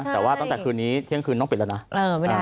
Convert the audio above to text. แต่ว่าตั้งแต่คืนนี้เที่ยงคืนต้องปิดแล้วนะ